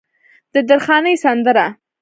د درخانۍ سندره